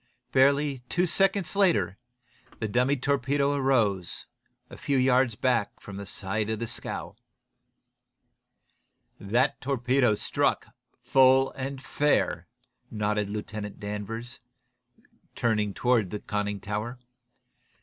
Barely two seconds later the second dummy torpedo rose, a few yards back from the side of the scow. "That torpedo struck, full and fair," nodded Lieutenant Danvers, turning toward the conning tower. "Mr.